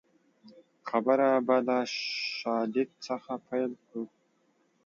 خبره به له شالید څخه پیل کړو